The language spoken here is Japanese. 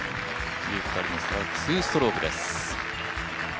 ２人の差は２ストロークです。